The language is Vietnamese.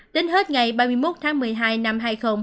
đến hết ngày ba mươi một tháng một mươi hai năm hai nghìn hai mươi